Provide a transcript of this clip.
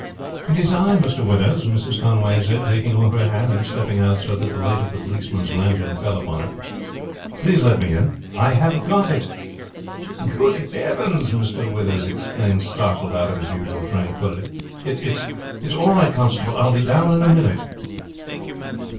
"It is I, Mr. Withers," Mrs. Conway said, taking off her hat and stepping out so that the light of the policeman's lantern fell upon her. "Please let me in, I have got it." "Good heavens!" Mr. Withers exclaimed, startled out of his usual tranquillity. "It is all right, constable, I will be down in a minute."